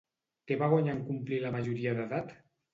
Què va guanyar en complir la majoria d'edat?